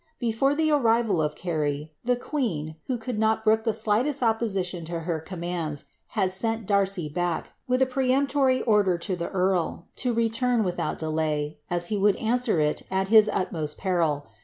Before the arrival of Carey, the queen, who could not brook the slightest opposition to her commands, had sent Darcy back, with a peremptory order to the earl, to return, without delay, as he would answer it at his utmost peril.